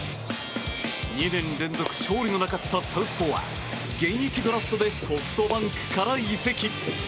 ２年連続勝利のなかったサウスポーは、現役ドラフトでソフトバンクから移籍。